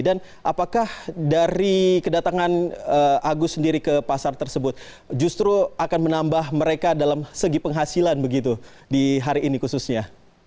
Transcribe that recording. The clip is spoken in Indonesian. dan apakah dari kedatangan agus sendiri ke pasar tersebut justru akan menambah mereka dalam segi penghasilan begitu di hari ini khususnya